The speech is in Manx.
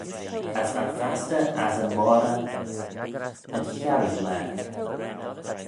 As va'n fastyr as y moghrey yn chiarroo laa.